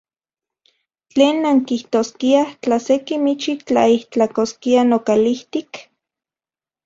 ¿Tlen nankijtoskiaj tla se kimichi tlaijtlakoskia nokalijtik?